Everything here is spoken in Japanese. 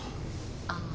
ああ